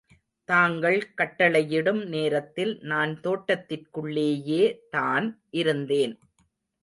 தாங்கள் கட்டளையிடும் நேரத்தில் நான் தோட்டத்திற்குள்ளேயேதான் இருந்தேன்.